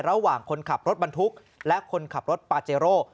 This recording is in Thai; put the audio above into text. ระหว่างคนขับรถบรรทุกและคนขับรถปาเจโร่